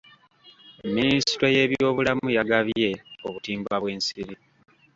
Minisitule y'ebyobulamu yagabye obutimba bw'ensiri.